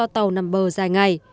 tàu nằm bờ dài ngày